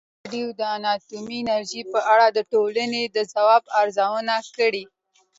ازادي راډیو د اټومي انرژي په اړه د ټولنې د ځواب ارزونه کړې.